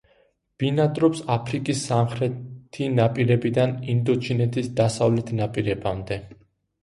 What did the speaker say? ბინადრობს აფრიკის სამხრეთი ნაპირებიდან ინდოჩინეთის დასავლეთ ნაპირებამდე.